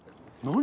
何？